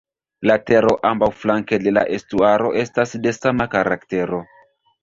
La tero ambaŭflanke de la estuaro estas de sama karaktero.